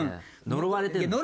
呪われてるの。